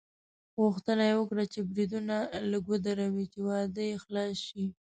غوښتنه یې وکړه چې بریدونه لږ ودروي چې واده یې خلاص شي.